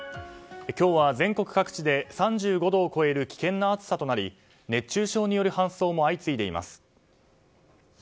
今日は全国各地で３５度を超える危険な暑さとなり熱中症による搬送も相次いでいます。